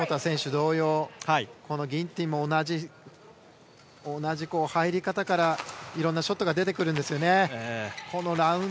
同様このギンティンも同じ入り方からいろいろなショットが出てくるんですよね。